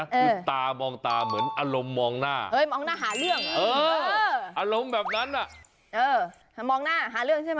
คือตามองตาเหมือนอารมณ์มองหน้าเฮ้ยมองหน้าหาเรื่อง